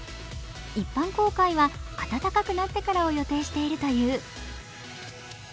一般公開は暖かくなってからを予定しているという。